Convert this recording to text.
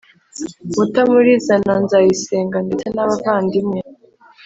Mutamuliza na Nzayisenga ndetse n’abavandimwe